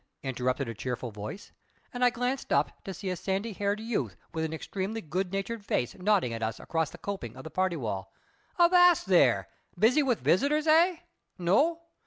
interrupted a cheerful voice; and I glanced up, to see a sandy haired youth with an extremely good natured face nodding at us across the coping of the party wall. "Avast there! Busy with visitors, eh? No?